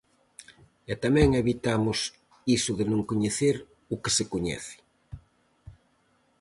E tamén evitamos iso de non coñecer o que se coñece.